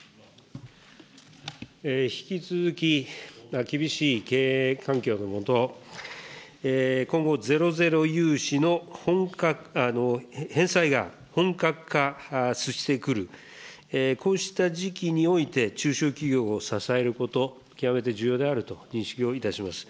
引き続き、厳しい経営環境の下、今後、ゼロゼロ融資の返済が本格化してくる、こうした時期において、中小企業を支えること、極めて重要であると認識をいたします。